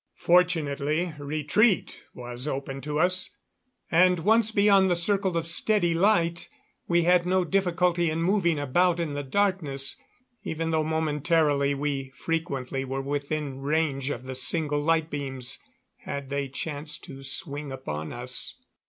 Fortunately, retreat was open to us; and once beyond the circle of steady light, we had no difficulty in moving about in the darkness, even though momentarily we frequently were within range of the single light beams, had they chanced to swing upon us.